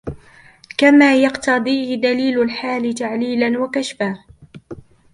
كَمَا يَقْتَضِيهِ دَلِيلُ الْحَالِ تَعْلِيلًا وَكَشْفًا